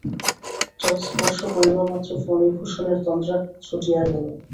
জলস্পর্শ করিবামাত্র ফণিভূষণের তন্দ্রা ছুটিয়া গেল।